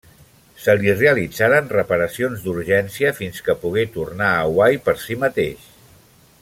Se li realitzaren reparacions d'urgència fins que pogué tornar a Hawaii per si mateix.